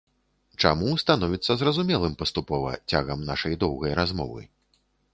Чаму, становіцца зразумелым паступова, цягам нашай доўгай размовы.